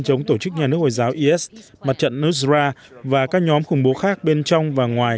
chống tổ chức nhà nước hồi giáo is mặt trận nusra và các nhóm khủng bố khác bên trong và ngoài